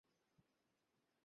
আর তোমার বাবা কিছুই করল না।